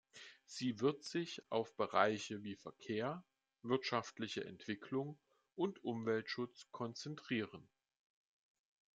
Sie wird sich auf Bereiche wie Verkehr, wirtschaftliche Entwicklung und Umweltschutz konzentrieren.